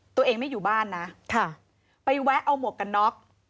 ตัวเองไม่อยู่บ้านนะไปแวะเอาหมวกกันน็อก